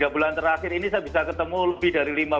tiga bulan terakhir ini saya bisa ketemu lebih dari